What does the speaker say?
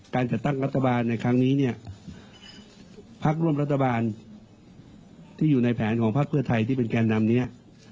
การจัดตั้งรัฐบาลในครั้งนี้เนี่ยพักร่วมรัฐบาลที่อยู่ในแผนของพักเพื่อไทยที่เป็นแก่นำเนี่ย